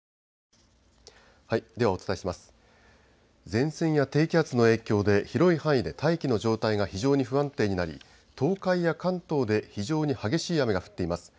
前線や低気圧の影響で広い範囲で大気の状態が非常に不安定になり東海や関東で非常に激しい雨が降っています。